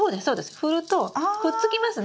振るとくっつきますね。